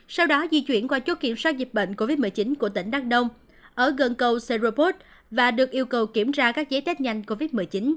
sau đó di chuyển qua chốt kiểm soát dịp bệnh covid một mươi chín của tỉnh đắk đông ở gần cầu seroport và được yêu cầu kiểm tra các giấy tết nhanh covid một mươi chín